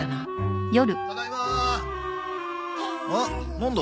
なんだ？